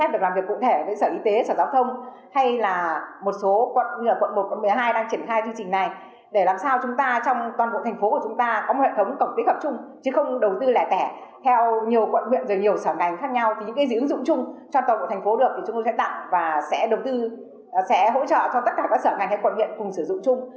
để tạo cho tất cả các sở ngành hay quận viện cùng sử dụng chung